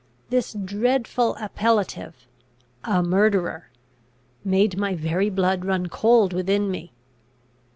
This dreadful appellative, "a murderer," made my very blood run cold within me.